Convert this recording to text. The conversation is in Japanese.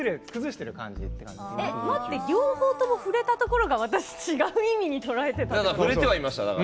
待って、両方とも触れたところが違う意味に捉えていた。